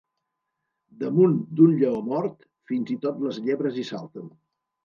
Damunt d'un lleó mort, fins i tot les llebres hi salten.